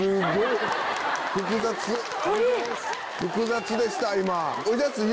複雑でした今。